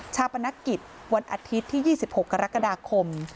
ปนกิจวันอาทิตย์ที่๒๖กรกฎาคม